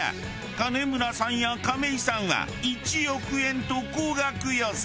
金村さんや亀井さんは１億円と高額予想。